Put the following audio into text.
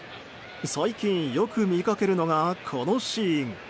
最近、よく見かけるのがこのシーン。